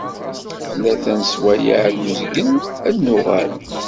Tlata n sswayeε d uzgen, ad d-nuɣal